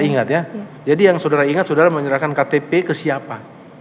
ingat ya jadi yang saudara ingat saudara menyerahkan ktp ke siapa